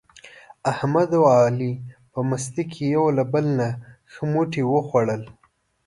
احمد او علي په مستۍ کې یو له بل نه ښه موټي و خوړل.